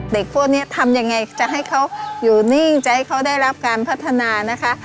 พวกนี้ทำยังไงจะให้เขาอยู่นิ่งจะให้เขาได้รับการพัฒนานะคะ